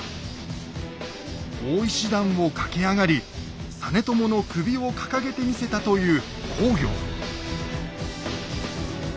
大石段を駆け上がり実朝の首を掲げてみせたという公暁。